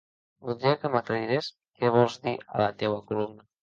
Voldria que m'aclarires què vols dir a la teua columna.